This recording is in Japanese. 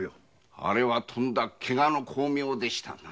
あれはケガの功名でしたな。